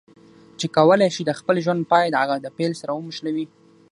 چې کولای شي د خپل ژوند پای د هغه د پیل سره وموښلوي.